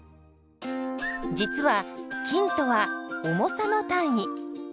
実は「斤」とは「重さ」の単位。